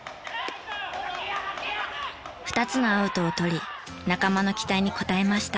２つのアウトを取り仲間の期待に応えました。